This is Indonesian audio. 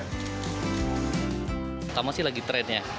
pertama sih lagi trennya